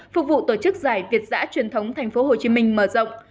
phục vụ tổ chức giải việt giã truyền thống tp hcm mở rộng